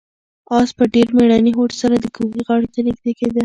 آس په ډېر مېړني هوډ سره د کوهي غاړې ته نږدې کېده.